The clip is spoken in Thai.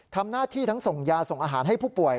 ทำหน้าที่ทั้งส่งยาส่งอาหารให้ผู้ป่วย